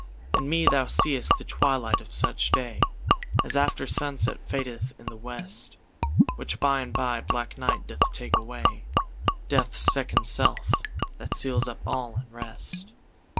In me thou seeŌĆÖst the twilight of such day As after sunset fadeth in the west; Which by and by black night doth take away, DeathŌĆÖs second self, that seals up all in rest.